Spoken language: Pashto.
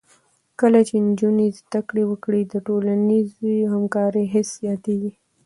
کله چې نجونې زده کړه وکړي، د ټولنیزې همکارۍ حس زیاتېږي.